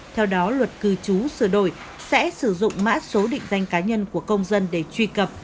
theo đó luật cư trú sửa đổi sẽ sử dụng mã số định danh cá nhân của công dân để truy cập